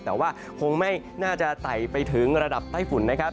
แต่ว่าคงไม่น่าจะไต่ไปถึงระดับใต้ฝุ่นนะครับ